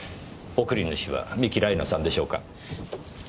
送り主は三樹ライナさんでしょうか？